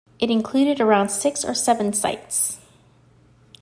It included around six or seven sites.